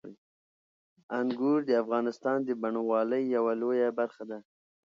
انګور د افغانستان د بڼوالۍ یوه لویه برخه ده.